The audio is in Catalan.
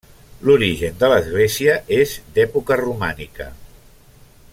L'origen de l'església és d'època romànica.